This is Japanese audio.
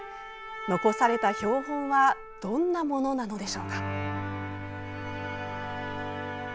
残された標本はどんなものなのでしょうか。